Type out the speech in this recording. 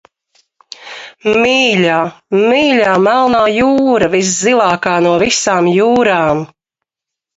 Mīļā, mīļā Melnā jūra, viszilākā no visām jūrām!